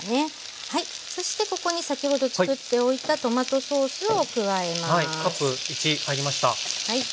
そしてここに先ほどつくっておいたトマトソースを加えます。